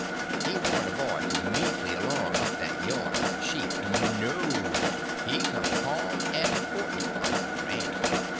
He warn't a boy to meeky along up that yard like a sheep; no, he come ca'm and important, like the ram.